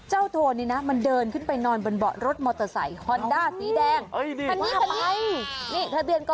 เจ้าโทนี่นะมันเดินขึ้นไปนอนบนเบาะรถมอเตอร์ไซค์